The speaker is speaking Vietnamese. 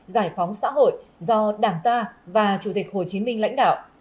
giải phóng xã hội do đảng ta và chủ tịch hồ chí minh lãnh đạo